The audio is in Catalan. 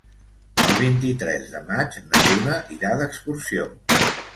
El vint-i-tres de maig na Duna irà d'excursió.